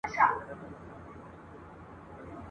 څومره بدبخته یم داچاته مي غزل ولیکل !.